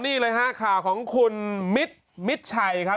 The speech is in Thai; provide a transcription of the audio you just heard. นี่เลยฮะข่าวของคุณมิตรมิดชัยครับ